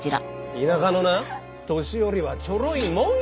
田舎のな年寄りはちょろいもんよ。